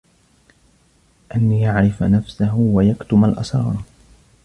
أَنْ يَعْرِفَ نَفْسَهُ وَيَكْتُمَ الْأَسْرَارَ